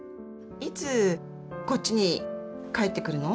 いつこっちに帰ってくるの？